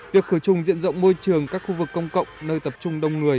việc khử trùng diện rộng môi trường các khu vực công cộng nơi tập trung đông người